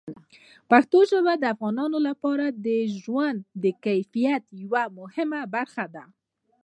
پښتو ژبه د افغانانو لپاره د ژوند د کیفیت یوه مهمه برخه ده.